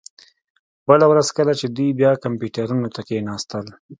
بله ورځ کله چې دوی بیا کمپیوټرونو ته کښیناستل